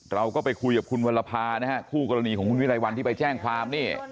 เราก็ไปคุยกับคุณวรภานะฮะคู่กรณีของคุณวิรัยวัลที่ไปแจ้งความนี่